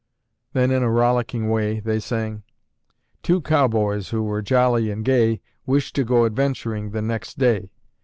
Then in a rollicking way they sang: "Two cowboys who were jolly and gay Wished to go adventuring the next day.